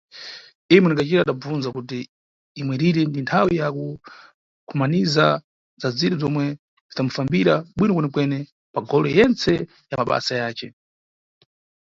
Iye mweneciro adabvuma kuti imweyire ni nthawe ya kukhumaniza na zire zomwe zidamufambira bwino kwenekwene pa magole yentse ya mabasa yace.